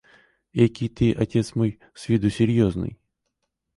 – Экий ты, отец мой, с виду серьезный!